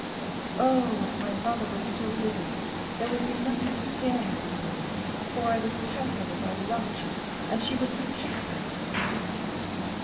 Oh, if my mother were still living, there would be nothing to fear, Maximilian, for I would tell her that I loved you, and she would protect us."